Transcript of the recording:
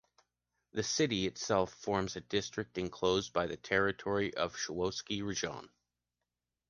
The city itself forms a district enclosed by the territory of Sowetski Rajon.